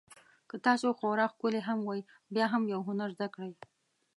که تاسو خورا ښکلي هم وئ بیا هم یو هنر زده کړئ.